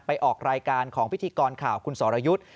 ออกรายการของพิธีกรข่าวคุณสรยุทธ์